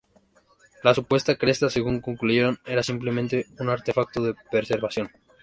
La supuesta cresta, según concluyeron, era simplemente un artefacto de preservación.